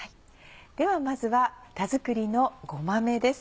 ではまずは田作りのごまめです。